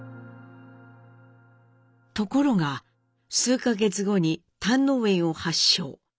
ところが数か月後に胆のう炎を発症。